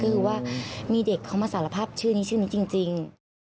ก็คือว่ามีเด็กเขามาสารภาพชื่อนี้ชื่อนี้จริง